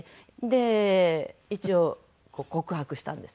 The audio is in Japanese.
で一応告白したんです。